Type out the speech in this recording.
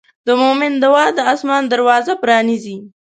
د مؤمن دعا د آسمان دروازه پرانیزي.